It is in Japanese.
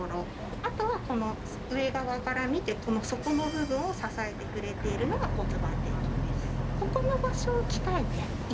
あとは、この上側から見てこの底の部分を支えてくれているのが骨盤底筋です。